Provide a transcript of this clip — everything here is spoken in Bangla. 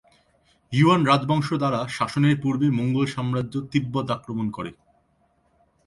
ইউয়ান রাজবংশ দ্বারা শাসনের পূর্বে মঙ্গোল সাম্রাজ্য তিব্বত আক্রমণ করে।